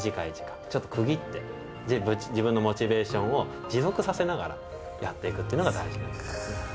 ちょっと区切って自分のモチベーションを持続させながらやっていくっていうのが大事なんです。